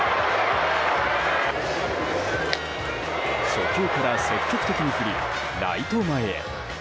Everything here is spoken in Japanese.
初球から積極的に振りライト前へ。